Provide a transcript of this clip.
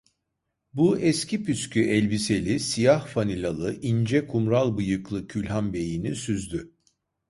Bu eski püskü elbiseli, siyah fanilalı, ince kumral bıyıklı külhanbeyini süzdü.